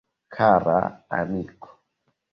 Kara amiko.